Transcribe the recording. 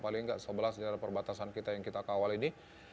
paling nggak sebelas daerah perbatasan kita yang kita kawal ini